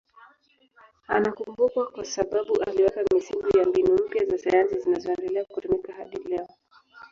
Anakumbukwa kwa sababu aliweka misingi ya mbinu mpya za sayansi zinazoendelea kutumika hadi leo.